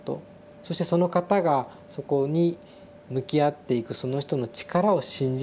そしてその方がそこに向き合っていくその人の力を信じるということ。